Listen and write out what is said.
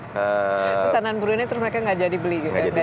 kesanaan brunei itu mereka tidak jadi beli